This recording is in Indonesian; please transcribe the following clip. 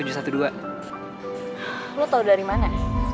lo tau dari mana